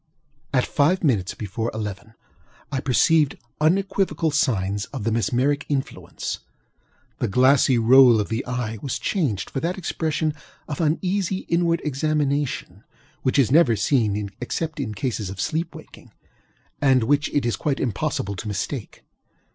At five minutes before eleven I perceived unequivocal signs of the mesmeric influence. The glassy roll of the eye was changed for that expression of uneasy inward examination which is never seen except in cases of sleep waking, and which it is quite impossible to mistake.